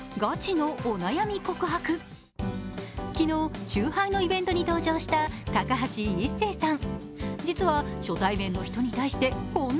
昨日、チューハイのイベントに登場した高橋一生さん。